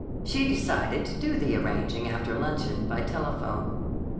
She decided to do the arranging after luncheon by telephone.